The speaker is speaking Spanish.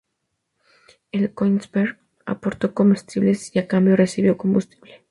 El "Königsberg" aportó comestibles y a cambio recibió combustible.